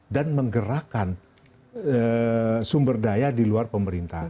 menggerakkan sumber daya di luar pemerintah